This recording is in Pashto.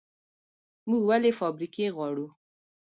موږ ولې فابریکې غواړو؟